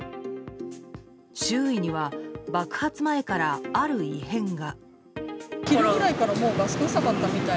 周囲には、爆発前からある異変が。